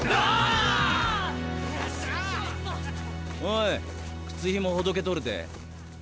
おい靴ひもほどけとるで。